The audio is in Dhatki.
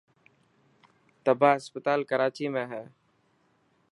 تباهه اسپتال ڪراچي ۾ هي.